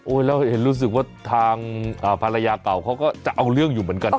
แล้วเห็นรู้สึกว่าทางภรรยาเก่าเขาก็จะเอาเรื่องอยู่เหมือนกันนะ